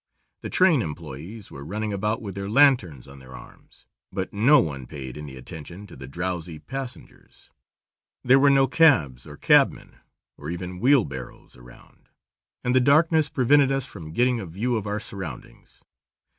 The train employés were running about with their lanterns on their arms, but no one paid any attention to the drowsy passengers. There were no cabs or cabmen, or even wheelbarrows around, and the darkness prevented us from getting a view of our surroundings.